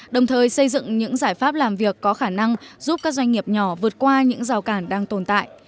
đồng thời xây dựng những giải pháp làm việc có khả năng giúp các doanh nghiệp nhỏ vượt qua những rào cản đang tồn tại